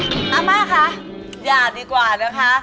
ป้าป้าคะยากดีกว่านะคะ